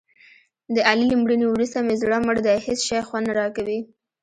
د علي له مړینې ورسته مې زړه مړ دی. هېڅ شی خوند نه راکوي.